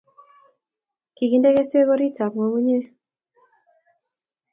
Kiginde keswek orotitab ngungunyek